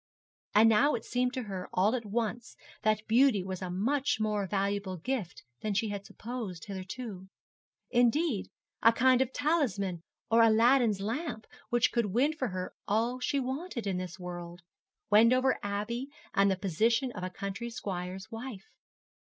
And now it seemed to her all at once that beauty was a much more valuable gift than she had supposed hitherto indeed, a kind of talisman or Aladdin's lamp, which could win for her all she wanted in this world Wendover Abbey and the position of a country squire's wife.